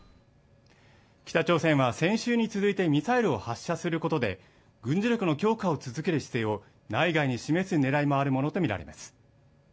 北朝鮮は先週に続いてミサイルを発射することで軍事力の強化を続ける姿勢を内外に示すねらいもあるものと見られます